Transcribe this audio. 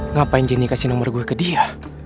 ngapain jenny kasih nomor gue ke dia